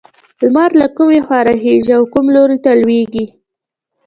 لمر له کومې خوا راخيژي او کوم لور ته لوېږي؟